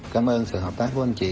cảm ơn sự hợp tác của anh chị